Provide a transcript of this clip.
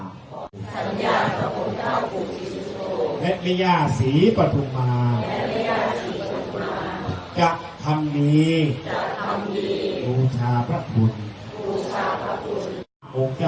สัญญาของเจ้าปุธิสุโตและมิญญาศรีปฎุมาจักรคำดีภูชาพระภุทธ